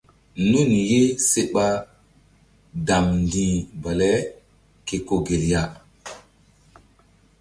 Nun ye se ɓa damndi̧ bale ke ko gel ya.